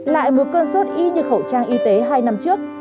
lại một cơn sốt y như khẩu trang y tế hai năm trước